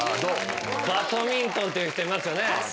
バトミントンって言う人いますよね。